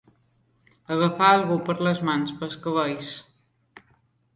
Agafar algú per les mans, pels cabells.